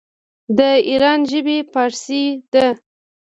د ایران ژبې فارسي ده.